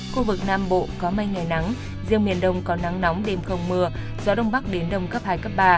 khu vực nam bộ có mây ngày nắng riêng miền đông có nắng nóng đêm không mưa gió đông bắc đến đông cấp hai cấp ba